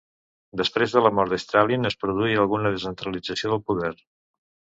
Després de la mort de Stalin es produí alguna descentralització del poder.